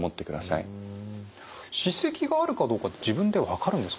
歯石があるかどうかって自分で分かるんですかね？